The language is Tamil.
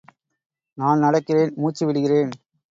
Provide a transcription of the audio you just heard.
நான் நடக்கிறேன், மூச்சு விடுகிறேன்.